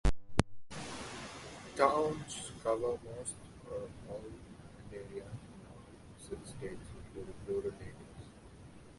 Towns cover most or all land area in all six states, including rural areas.